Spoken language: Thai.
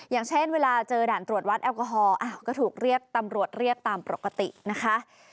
อย่างเช่นเวลาเจอด่านตรวจวัดแอลกอฮอลก็ถูกเรียกตำรวจเรียกตามปกตินะคะ